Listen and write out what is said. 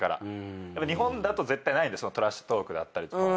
日本だと絶対ないんでトラッシュトークだったりとかも。